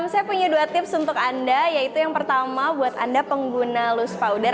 saya punya dua tips untuk anda yaitu yang pertama buat anda pengguna loose powder